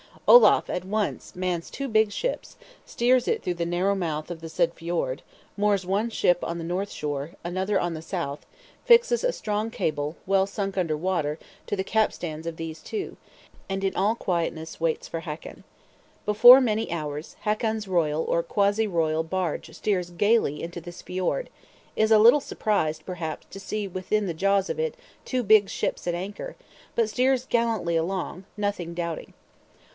Olaf at once mans two big ships, steers through the narrow mouth of the said fjord, moors one ship on the north shore, another on the south; fixes a strong cable, well sunk under water, to the capstans of these two; and in all quietness waits for Hakon. Before many hours, Hakon's royal or quasi royal barge steers gaily into this fjord; is a little surprised, perhaps, to see within the jaws of it two big ships at anchor, but steers gallantly along, nothing doubting.